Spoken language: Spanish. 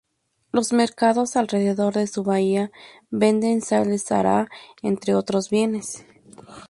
Los mercados alrededor de su bahía venden sal del Sáhara, entre otros bienes.